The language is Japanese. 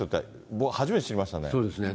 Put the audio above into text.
僕、そうですね。